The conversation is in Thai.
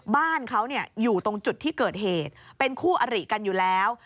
บ้านเขาอยู่ตรงจุดที่เกิดเหตุเป็นคู่อริกันอยู่แล้ว